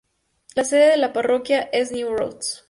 La sede de la parroquia es New Roads.